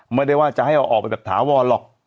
ไม่ได้ว่าจะให้เอาออกไปแบบถาวรหรอก